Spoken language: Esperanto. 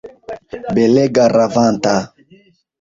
Belega, ravanta!